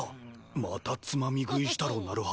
またつまみ食いしたろ成早。